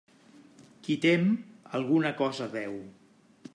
Qui tem, alguna cosa deu.